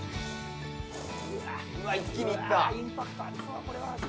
うわっ一気に行った。